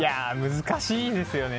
難しいですよね。